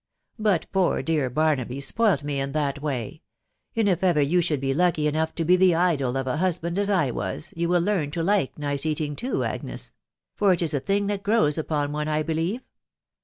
But poor dear Barnaby spoilt me in that way; and if ever you should be lucky enough to be the idol of a husband, as I was, you will learn to like nice eating too, Agnes .... for it is a thing that grows upon one, I believe.